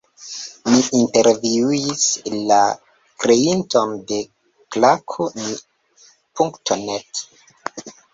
Ni intervjuis la kreinton de Klaku.net.